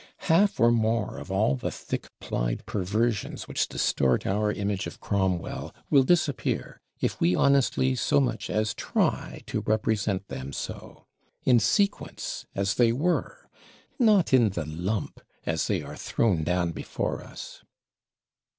Half or more of all the thick plied perversions which distort our image of Cromwell, will disappear, if we honestly so much as try to represent them so; in sequence, as they were; not in the lump, as they are thrown down before us.